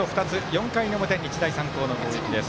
４回表、日大三高の攻撃です。